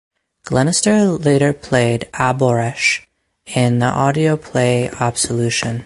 Glenister later played Aboresh in the audio play "Absolution".